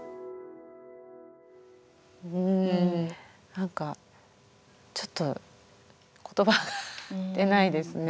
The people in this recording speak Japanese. なんかちょっと言葉が出ないですね。